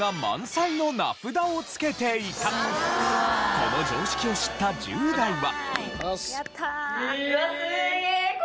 この常識を知った１０代は。